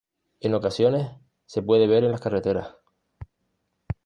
En ocasiones se puede ver en las carreteras.